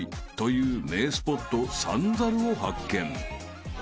名スポット三猿を発見］